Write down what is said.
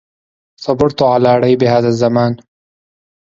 صبرت على ريب هذا الزمان